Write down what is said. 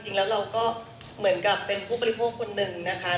จริงแล้วเราก็เหมือนกับเป็นผู้บริโภคคนหนึ่งนะคะ